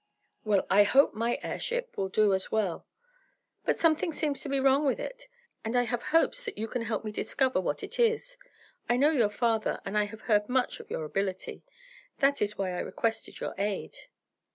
"Well, I hope my airship will do as well. But something seems to be wrong with it, and I have hopes that you can help me discover what it is, I know your father, and I have heard much of your ability. That is why I requested your aid."